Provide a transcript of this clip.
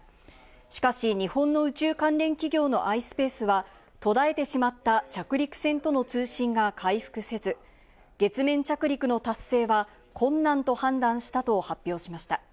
しかし日本の宇宙関連企業のｉｓｐａｃｅは、途絶えてしまった着陸船との通信が回復せず、月面着陸の達成は困難と判断したと発表しました。